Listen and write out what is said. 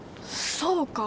そうか。